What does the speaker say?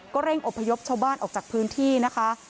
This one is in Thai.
เร่งอบพยพชาวบ้านออกจากพื้นที่นะคะ